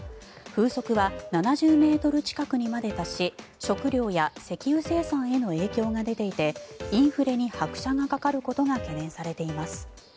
風速は７０ｍ近くにまで達し食料や石油生産への影響が出ていてインフレに拍車がかかることが懸念されています。